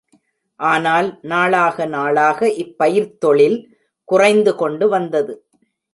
ஆனால், நாளாக நாளாக இப் பயிர்த் தொழில் குறைந்து கொண்டு வந்தது.